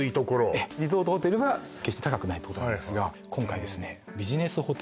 ええリゾートホテルは決して高くないってことなんですが今回ですね